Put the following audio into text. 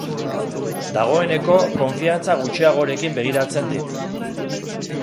Dagoeneko konfiantza gutxiagorekin begiratzen dit.